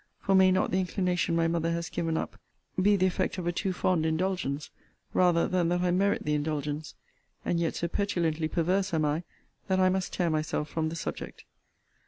For may not the inclination my mother has given up be the effect of a too fond indulgence, rather than that I merit the indulgence? And yet so petulantly perverse am I, that I must tear myself from the subject.